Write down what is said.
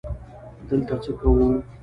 _دلته څه کوو؟